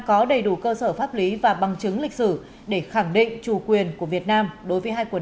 có đầy đủ cơ sở pháp lý và bằng chứng lịch sử để khẳng định chủ quyền của việt nam đối với hai quần